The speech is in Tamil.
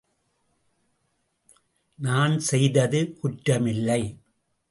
நான் செய்தது குற்றமில்லை.